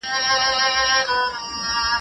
نور به نو ملنګ جهاني څه درکړي